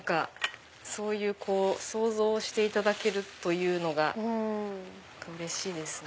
そういう想像していただけるのがうれしいですね。